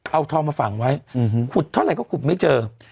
เอาทองมาฝังไว้ขุดเท่าไหร่ก็ขุดไม่เจอ